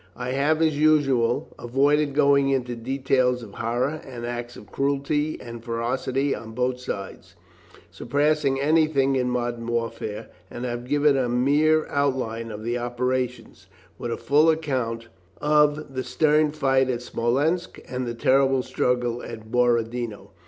I have as usual avoided going into details of horrors and of acts of cruelty and ferocity on both sides, surpassing anything in modern warfare, and have given a mere outline of the operations, with a full account of the stern fight at Smolensk and the terrible struggle at Borodino.